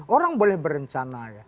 orang boleh berencana ya